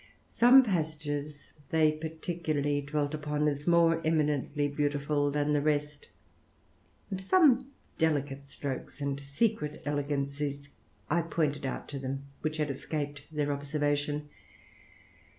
Some passages they particularly dwelt upon, as more eminently beautiful than the rest; and some delicate strokes and secret elegancies, I pointed out to them which had escaped their observation.